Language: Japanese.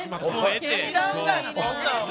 知らんがなそんなんお前。